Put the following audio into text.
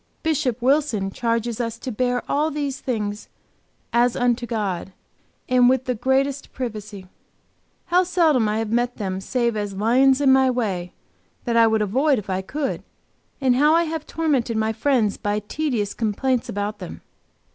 Bishop Wilson charges us to bear all these things "as unto God," and "with the greatest privacy." How seldom I have met them save as lions in my way, that I would avoid if I could, and how I have tormented my friends by tedious complaints about them!